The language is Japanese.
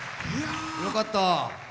よかった。